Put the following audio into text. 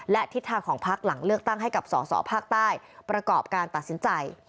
และทิศทางของพักหลังเลือกตั้งให้กับสอสอภาคใต้ประกอบการตัดสินใจ